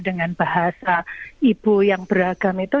dengan bahasa ibu yang beragam itu